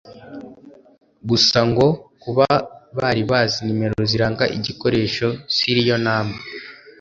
Gusa ngo kuba bari bazi nimero ziranga igikoresho (serial number)